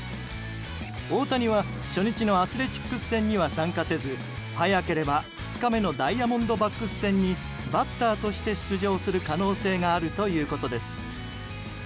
大谷は初日のアスレチックス戦には参加せず早ければ２日目のダイヤモンドバックス戦にバッターとして出場する可能性があるということです。